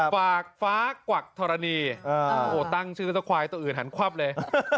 ฟากฟ้ากวกถรณีอ๋อตั้งชื่อแล้วว่าโควายตัวอื่นหันควับเลย